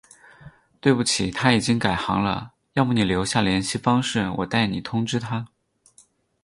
对不起，他已经改行了，要么你留下联系方式，我代你通知他。